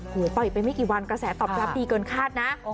ปล่อยไปไม่กี่วันกระแสตอบรับดีเกินคาดนะ